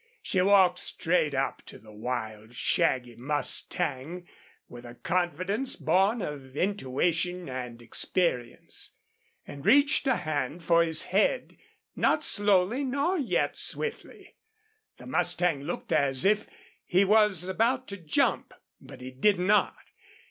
She walked straight up to the wild, shaggy mustang with a confidence born of intuition and experience, and reached a hand for his head, not slowly, nor yet swiftly. The mustang looked as if he was about to jump, but he did not.